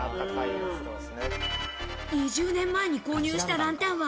２０年前に購入したランタンは、